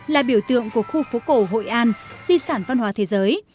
là biểu tượng của khu phố cổ hội an di sản văn hóa thế giới